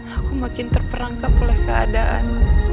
aku makin terperangkap oleh keadaanmu